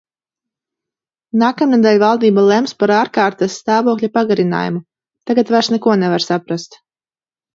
Nākamnedēļ valdība lems par ārkārtas stāvokļa pagarinājumu... tagad vairs neko nevar saprast.